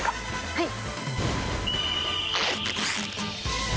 はい。